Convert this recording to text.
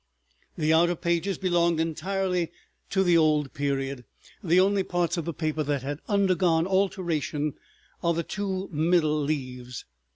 The outer pages belong entirely to the old period, the only parts of the paper that had undergone alteration are the two middle leaves.